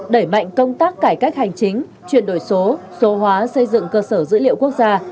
đẩy mạnh công tác cải cách hành chính chuyển đổi số số hóa xây dựng cơ sở dữ liệu quốc gia